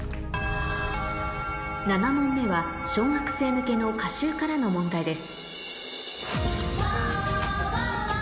７問目は小学生向けの歌集からの問題です